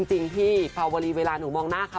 จริงพี่ภาวรีเวลาหนูมองหน้าเขา